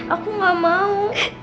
aku gak mau